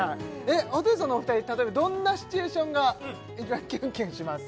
ホテイソンのお二人例えばどんなシチュエーションがキュンキュンします？